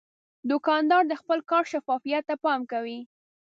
دوکاندار د خپل کار شفافیت ته پام کوي.